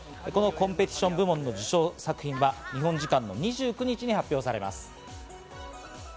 コンペティション部門の受賞作品は日本時間の２９日に発表されます。